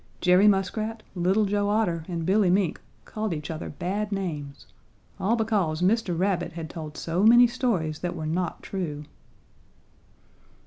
Jerry Muskrat, Little Joe Otter, and Billy Mink called each other bad names. All because Mr. Rabbit had told so many stories that were not true.